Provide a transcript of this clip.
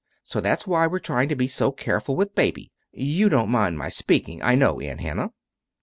So that's why we're trying to be so careful with Baby. You didn't mind my speaking, I know, Aunt Hannah."